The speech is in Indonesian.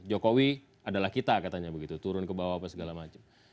jokowi adalah kita katanya begitu turun ke bawah apa segala macam